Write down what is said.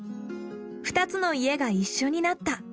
２つの家が一緒になった。